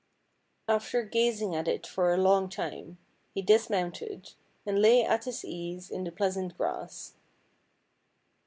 After gazing at it for a long time, he dis mounted, and lay at his ease in the pleasant grass.